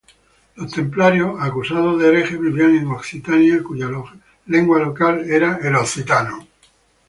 Los templarios acusados de herejes vivían en Occitania, cuya lengua local era el occitano.